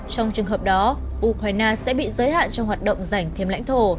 trong trường hợp đó ukraine sẽ bị giới hạn trong hoạt động giành thêm lãnh thổ